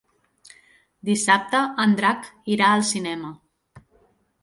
Dissabte en Drac irà al cinema.